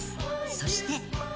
そして。